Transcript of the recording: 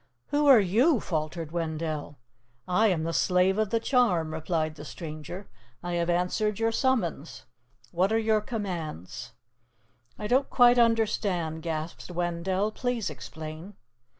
"Who are you?" faltered Wendell. "I am the Slave of the Charm," replied the stranger. "I have answered your summons. What are your commands?" "I don't quite understand," gasped Wendell. "Please explain."